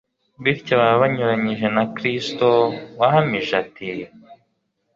Bityo baba banyuranije na Kristo wahamije ati :